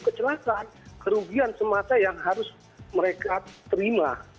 kecelakaan kerugian semasa yang harus mereka terima